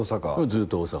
ずっと大阪。